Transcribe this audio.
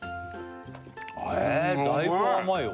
だいぶ甘いよ